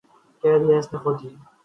کہہ دیا اس نے خود ہی